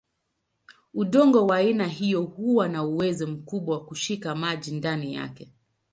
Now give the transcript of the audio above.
Udongo wa aina hiyo huwa na uwezo mkubwa wa kushika maji ndani yake.